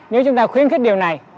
nếu chúng ta khuyến khích điều này